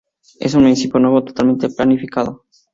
Es un municipio nuevo, totalmente planificado.